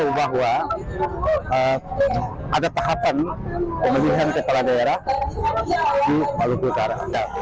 bahwa ada tahapan pemilihan kepala daerah di maluku utara